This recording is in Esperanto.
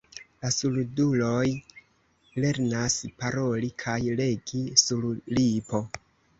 La surduloj lernas paroli kaj legi sur lipo.